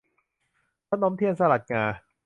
ขนมเทียนสลัดงา